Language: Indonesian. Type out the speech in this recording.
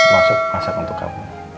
masuk masak untuk kamu